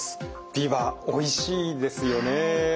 ビワおいしいですよね。